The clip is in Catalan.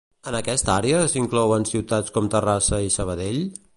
En aquesta àrea s'inclouen ciutats com Terrassa i Sabadell?